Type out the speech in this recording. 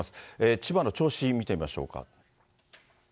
千葉の銚子見てみましょうか。